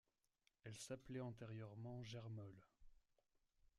Elle s'appelait antérieurement Germolles.